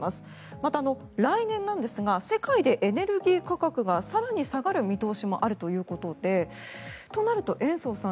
また来年なんですが世界でエネルギー価格が更に下がる見通しもあるということでとなると延増さん